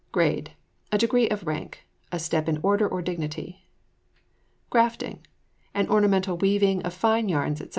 GRADE. A degree of rank; a step in order or dignity. GRAFTING. An ornamental weaving of fine yarns, &c.